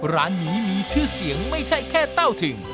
ร้านนี้มีชื่อเสียงไม่ใช่แค่เต้าถึง